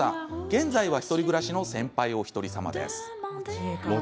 現在は１人暮らしの先輩おひとりさまです。